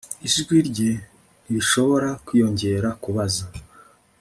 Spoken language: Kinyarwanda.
Ijwi rye ntirishobora kwiyongera kubaza